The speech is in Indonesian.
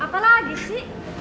apa lagi sih